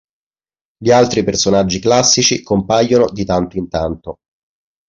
Gli altri personaggi classici compaiono di tanto in tanto.